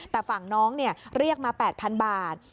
แต่ฝั่งน้องเรียกมา๘๐๐๐บาท